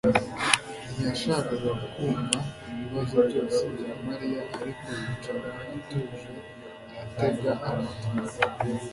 ntiyashakaga kumva ibibazo byose bya Mariya ariko yicara atuje aratega amatwi